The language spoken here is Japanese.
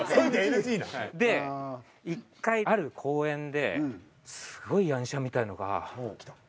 で１回ある公園ですごいヤン車みたいなのが来て。